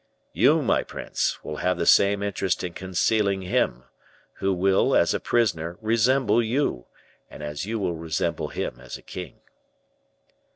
You, my prince, will have the same interest in concealing him, who will, as a prisoner, resemble you, as you will resemble him as a king."